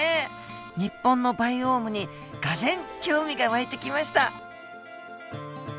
日本のバイオームにがぜん興味が湧いてきました！